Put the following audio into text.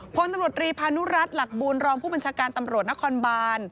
พลตำรวจรีพานุรัติหลักบุญรองผู้บัญชาการตำรวจนครบาน